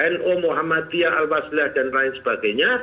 no muhammadiyah al wazliyah dan lain sebagainya